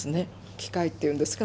機械っていうんですか？